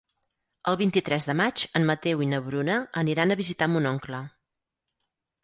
El vint-i-tres de maig en Mateu i na Bruna aniran a visitar mon oncle.